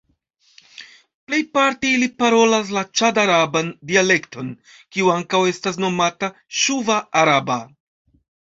Plejparte ili parolas la ĉad-araban dialekton, kiu ankaŭ estas nomata "ŝuva-araba".